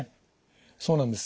そうなんです。